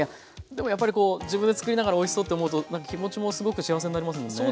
でもやっぱりこう自分で作りながらおいしそうって思うと何か気持ちもすごく幸せになりますもんね。